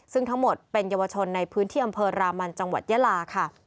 ซึ่งทั้งหมดเป็นเยาวชนในพื้นที่อำเภอรามันจังหวัดยาลาค่ะ